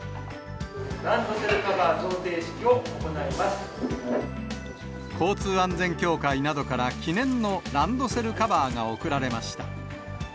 ランドセルカバー贈呈式を行交通安全協会などから、記念のランドセルカバーが贈られました。